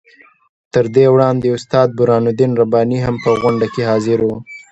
تر دې وړاندې استاد برهان الدین رباني هم په غونډه کې حاضر وو.